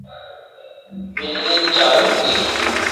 بجلی چالو کی